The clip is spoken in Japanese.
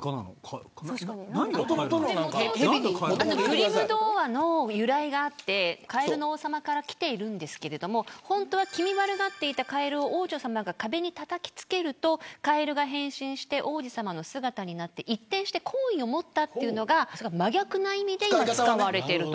グリム童話の由来があってカエルの王様からきているんですけど本当は気味悪がっていたカエルを王女様が壁にたたきつけるとカエルが変身して王子様の姿になって一転して好意を持つようになったというのが真逆の意味で使われている。